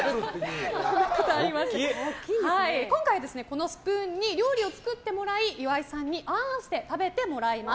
今回、このスプーンに料理を作ってもらい岩井さんにあーんして食べてもらいます。